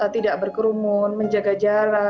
tidak berkerumun menjaga jarak